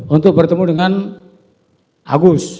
untuk bertemu dengan agus